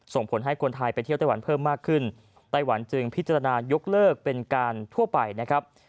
ส่งผลให้คนไทยไปเที่ยวไต้หวันเพิ่มมากขึ้นไต้หวันจึงพิจารณายกเลิกเป็นการทั่วไปนะครับ